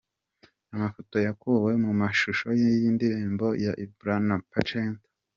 Amafoto yakuwe mu mashusho y'iyi ndirimbo ya Ibra na Pacento.